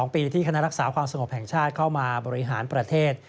๒ปีที่คณะรักษาความสงบแห่งชาติเข้ามาบริหารประเทศ